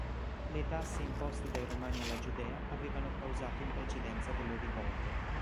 Le tasse imposte dai Romani alla Giudea avevano causato in precedenza delle rivolte.